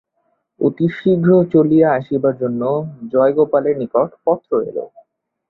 অতি শীঘ্র চলিয়া আসিবার জন্য জয়গোপালের নিকট পত্র গেল।